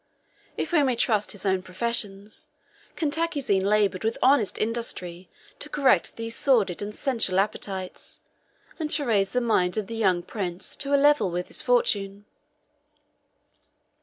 If we may trust his own professions, Cantacuzene labored with honest industry to correct these sordid and sensual appetites, and to raise the mind of the young prince to a level with his fortune.